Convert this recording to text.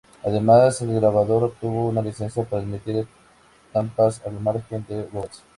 Además el grabador obtuvo una licencia para emitir estampas al margen de Rubens.